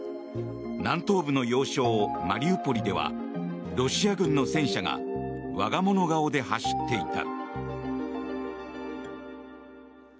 南東部の要衝マリウポリではロシア軍の戦車が我が物顔で走っていた。